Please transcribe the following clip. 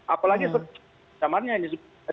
apalagi setelah zamannya yang disebutkan